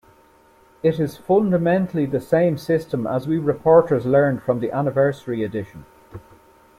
It is fundamentally the same system as we reporters learned from the Anniversary edition.